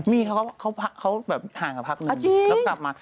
มีเขาแบบห่างกับพักนึงแล้วกลับมา